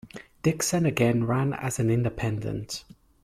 Dixon again ran as an independent.